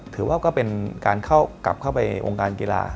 ถือว่าก็เป็นการกลับเข้าไปองค์การกีฬา